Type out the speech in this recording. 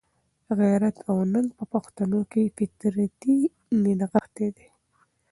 غیرت او ننګ په پښتنو کښي فطرتي نغښتی دئ.